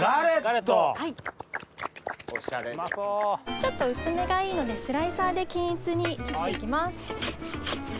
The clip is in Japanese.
ちょっと薄めがいいのでスライサーで均一に切って行きます。